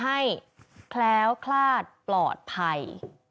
ให้แคล้วคลาดปลอดภัย